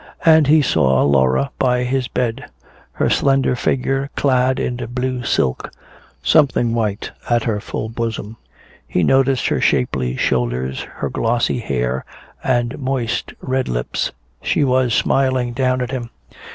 And he saw Laura by his bed, her slender figure clad in blue silk, something white at her full bosom. He noticed her shapely shoulders, her glossy hair and moist red lips. She was smiling down at him.